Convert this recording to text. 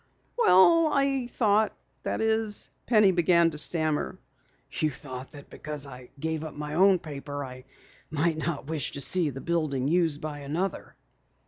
"Well, I thought that is " Penny began to stammer. "You thought that because I gave up my own paper I might not wish to see the building used by another?"